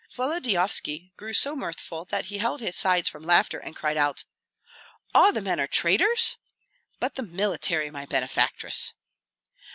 Volodyovski grew so mirthful that he held his sides from laughter, and cried out: "All the men are traitors? But the military, my benefactress!"